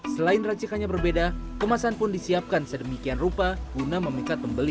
selain racikannya berbeda kemasan pun disiapkan sedemikian rupa guna memikat pembeli